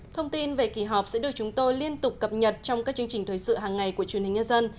thông tin về kỳ họp sẽ được chúng tôi liên tục cập nhật trong các chương trình thời sự hàng ngày của truyền hình nhân dân